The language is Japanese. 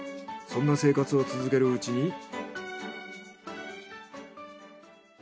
そんな生活を続けるうちに。